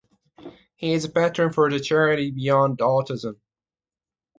He is a Patron for the charity Beyond Autism.